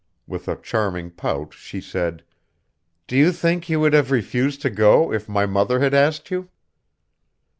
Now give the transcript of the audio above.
With a charming pout she said: "Do you think you would have refused to go if my mother had asked you?"